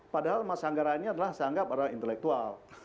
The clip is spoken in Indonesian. padahal masanggaranya adalah seanggap adalah intelektual